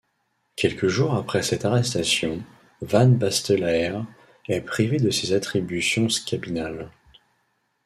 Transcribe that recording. Quelques jours après cette arrestation, Van Bastelaere est privé de ses attributions scabinales.